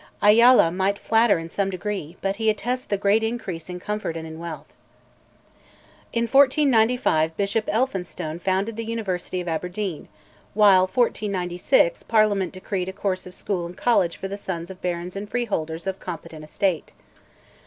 Ayala might flatter in some degree, but he attests the great increase in comfort and in wealth. In 1495 Bishop Elphinstone founded the University of Aberdeen, while (1496) Parliament decreed a course of school and college for the sons of barons and freeholders of competent estate.